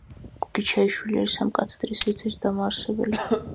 გოგიჩაიშვილი არის ამ კათედრის ერთ-ერთი დამაარსებელი.